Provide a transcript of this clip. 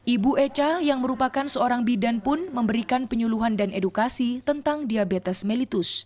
ibu eca yang merupakan seorang bidan pun memberikan penyuluhan dan edukasi tentang diabetes melitus